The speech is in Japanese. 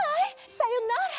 さよなら！